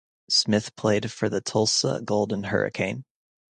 Smith played for the Tulsa Golden Hurricane.